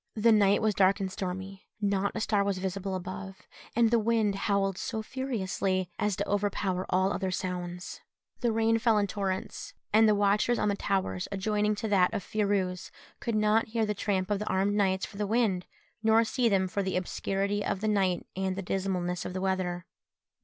The night was dark and stormy; not a star was visible above, and the wind howled so furiously as to overpower all other sounds: the rain fell in torrents, and the watchers on the towers adjoining to that of Phirouz could not hear the tramp of the armed knights for the wind, nor see them for the obscurity of the night and the dismalness of the weather.